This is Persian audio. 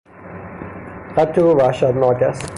خط او وحشتناک است.